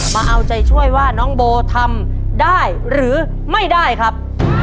มาเอาใจช่วยว่าน้องโบทำได้หรือไม่ได้ครับ